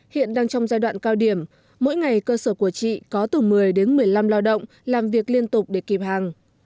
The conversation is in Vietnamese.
hiện đang trong giai đoạn cao điểm mỗi ngày cơ sở của chị có từ một mươi đến một mươi năm lao động làm việc liên tục để kịp hàng